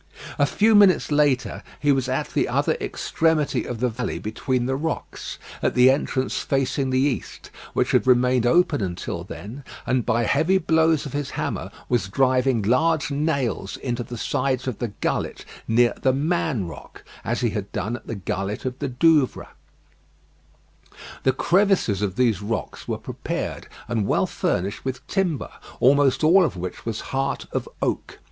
A few minutes later he was at the other extremity of the alley between the rocks, at the entrance facing the east, which had remained open until then, and by heavy blows of his hammer was driving large nails into the sides of the gullet near "The Man Rock," as he had done at the gullet of the Douvres. The crevices of these rocks were prepared and well furnished with timber, almost all of which was heart of oak.